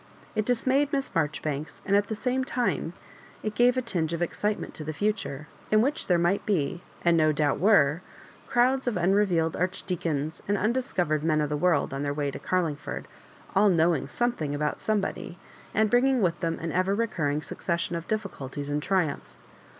It dismayed Miss Marjori banks, and at the same time it gave a tinge of excitement to the future, m which there might be, and no doubt were, crowds of unrevealed Archdeacons and undiscovered men of the world on their way to Carlingford, all knowing some thing about somebody, and bringmg with them an ever recurring succession of ^difficulties and triumphs.